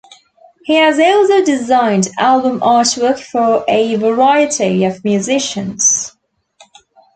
He has also designed album artwork for a variety of musicians.